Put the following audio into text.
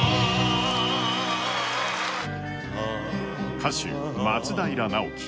歌手、松平直樹。